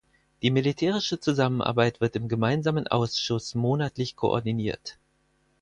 Die militärische Zusammenarbeit wird im gemeinsamen Ausschuss monatlich koordiniert.